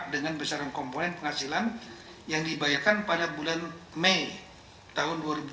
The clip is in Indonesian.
dengan besaran komponen penghasilan yang dibayarkan pada bulan mei tahun dua ribu dua puluh